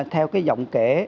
theo cái giọng kể